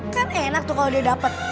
kan enak tuh kalau dia dapat